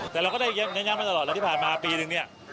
แต่เราก็ได้เน้นย้ำมาตลอดแล้วที่ผ่านมาปีนึงเนี่ย